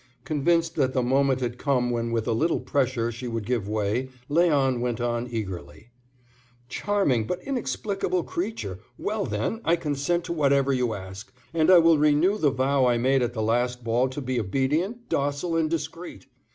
Convinced that the moment had come when with a little pressure she would give way, Léon went on eagerly: "Charming but inexplicable creature! Well, then, I consent to whatever you ask, and I will renew the vow I made at the last ball to be obedient, docile, and discreet.